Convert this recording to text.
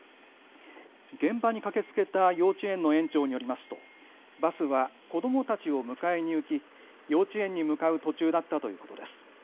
現場に駆けつけた幼稚園の園長によりますとバスは子どもたちを迎えに行き幼稚園に向かう途中だったということです。